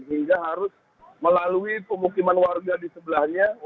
sehingga harus melalui pemukiman warga di sebelahnya